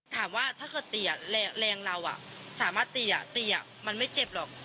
ถ้าเกิดตีแรงเราสามารถตีตีมันไม่เจ็บหรอก